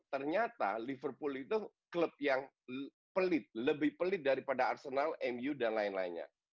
ternyata liverpool itu klub yang pelit lebih pelit daripada arsenal mu dan lain lainnya